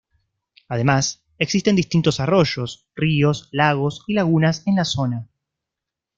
Además, existen distintos arroyos, ríos, lagos y lagunas en la zona.